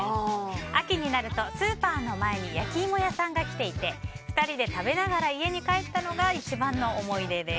秋になるとスーパーの前に焼き芋屋さんが来ていて２人で食べながら家に帰ったのが一番の思い出です。